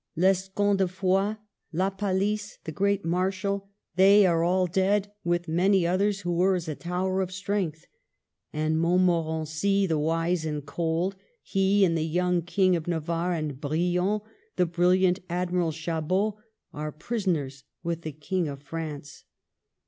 Les cun de Foix, La Palice, the great marshal, — they are all dead, with many others who were as a tower of strength. And Montmorency, the wise and cold, he and the young King of Na varre, and Brion, the briUiant Admiral Chabot, are prisoners with the King of France.